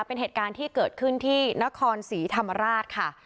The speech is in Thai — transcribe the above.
เป็นเหตุการณ์ที่เกิดขึ้นที่นครศรีธรรมราชค่ะ